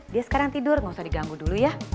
dia sekarang tidur gak usah diganggu dulu ya